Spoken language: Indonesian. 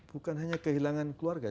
bukan hanya kehilangan keluarga